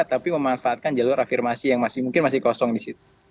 tapi memanfaatkan jalur afirmasi yang masih mungkin masih kosong di situ